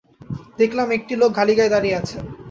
দেখলাম, একটি লোক খালিগায়ে দাঁড়িয়ে আছে।